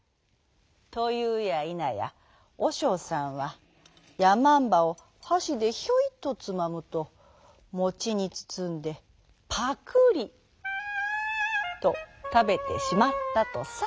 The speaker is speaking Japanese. というやいなやおしょうさんはやまんばをはしでヒョイとつまむともちにつつんでパクリとたべてしまったとさ。